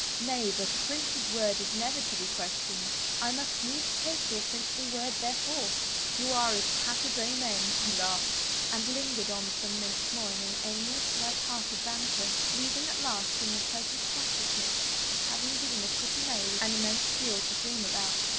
" Nay, but a prince's word is never to be questioned." I must needs take your princely word therefore." You are as pat as amen," he laughed, and lingered on some minutes more in aimless, light hearted banter, leaving at last in the pleasant consciousness of having given a pretty maid an immense deal to dream about.